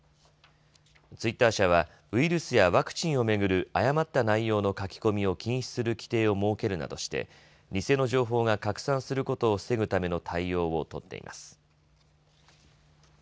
ツイッター社はウイルスやワクチンをめぐる誤った内容の書き込みを禁止する規定を設けるなどして偽の情報が拡散することを防ぐための対応をとっています。